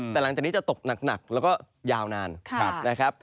แต่หลังจากนี้จะตกหนักแล้วก็ยาวนานนะครับ